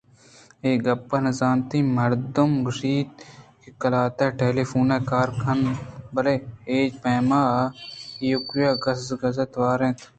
اے گپ نہ اِنت مردم گوٛش اَنت کہ قلات ءَ ٹیلی فون کار کنت بلئے چے پیم ایوک ءَ گژّ گژ ّءِ توار اِنت